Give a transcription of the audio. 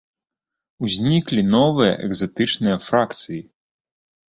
Узніклі новыя экзатычныя фракцыі.